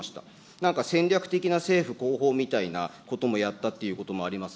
なんか戦略的な政府広報みたいなこともやったっていうこともあります